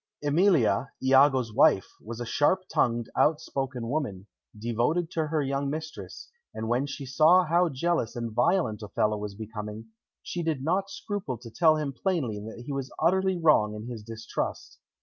Emilia, Iago's wife, was a sharp tongued, outspoken woman, devoted to her young mistress, and when she saw how jealous and violent Othello was becoming, she did not scruple to tell him plainly that he was utterly wrong in his distrust.